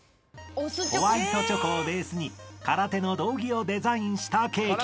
［ホワイトチョコをベースに空手の道着をデザインしたケーキ］